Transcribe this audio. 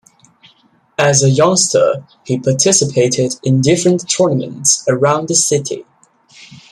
As a youngster he participated in different tournaments around the city.